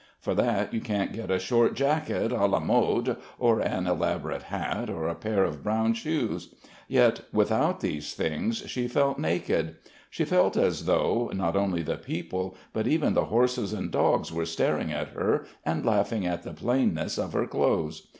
For that you can't get a short jacket à la mode, or an elaborate hat, or a pair of brown shoes; yet without these things she felt naked. She felt as though, not only the people, but even the horses and dogs were staring at her and laughing at the plainness of her clothes.